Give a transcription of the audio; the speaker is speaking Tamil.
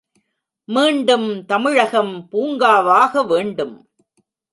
மீண்டும் தமிழகம் பூங்காவாக வேண்டும்.